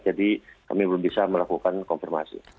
jadi kami belum bisa melakukan konfirmasi